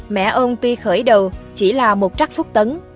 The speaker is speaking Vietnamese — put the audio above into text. mẹ ông tuy khởi đầu chỉ là một trắc phúc tấn